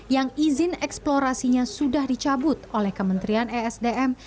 yang izin eksplorasinya sudah dicabut oleh kementerian esdm